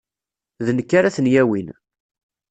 D nekk ara ten-yawin.